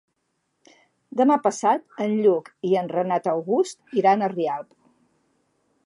Demà passat en Lluc i en Renat August iran a Rialp.